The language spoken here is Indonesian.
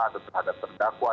atau terhadap terdakwa